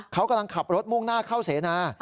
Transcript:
เขากำลังขับรถมุ่งหน้าเข้าเสนา